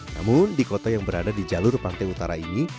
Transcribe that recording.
namun di kota yang berada di jalur pantai utara ini